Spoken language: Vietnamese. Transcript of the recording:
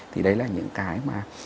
thì đấy là những cái mà